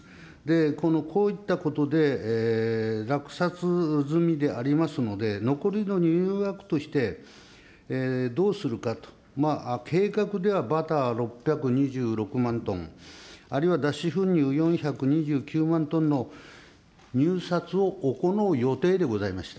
このこういったことで、落札済みでありますので、残りの輸入枠として、どうするか、計画ではバター６２６万トン、あるいは脱脂粉乳４２９万トンの入札を行う予定でございました。